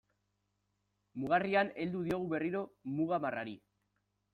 Mugarrian heldu diogu berriro muga marrari.